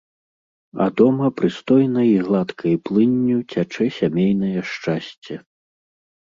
А дома прыстойнай і гладкай плынню цячэ сямейнае шчасце.